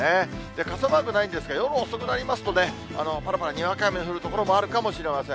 傘マークないんですが、夜遅くなりますとね、ぱらぱらにわか雨の所があるかもしれません。